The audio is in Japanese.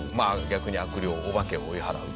逆に悪霊お化けを追い払う。